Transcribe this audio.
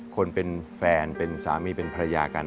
คนเป็นแฟนเป็นสามีเป็นภรรยากัน